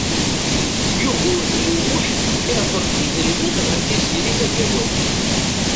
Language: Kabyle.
Yugurten U Muḥ irḍel-d idrimen ɣer Tiziri Tagawawt.